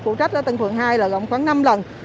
phụ trách ở tân phường hai là khoảng năm lần